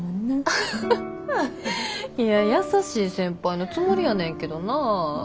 アハハいや優しい先輩のつもりやねんけどなぁ。